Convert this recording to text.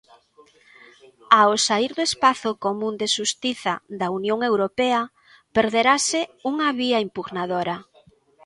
Ao saír do espazo común de xustiza da Unión Europea, perderase unha vía impugnadora.